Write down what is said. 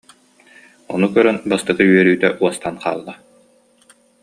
Ону көрөн бастакы үөрүүтэ уостан хаалла